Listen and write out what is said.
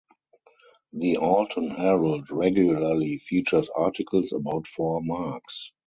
The Alton Herald regularly features articles about Four Marks.